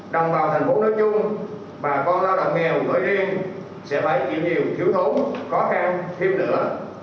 đồng bào thành phố nói chung bà con lao động nghèo nói riêng sẽ phải chịu nhiều thiếu thốn khó khăn thêm nữa